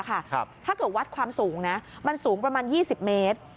ถ้าเกิดวัดความสูงนะมันสูงประมาณ๒๐เมตร